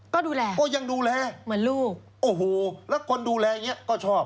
ก็ดูแลเหมือนลูกโอ้โฮแล้วคนดูแลอย่างนี้ก็ชอบ